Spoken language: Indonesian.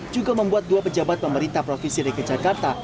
juga membuat dua pejabat pemerintah provinsi dki jakarta